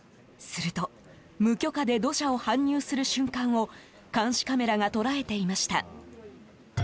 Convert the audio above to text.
すると無許可で土砂を搬入する瞬間を監視カメラが捉えていました。